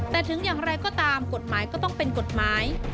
แต่ถึงอย่างไรก็ตามกฎหมายก็ต้องเป็นกฎหมาย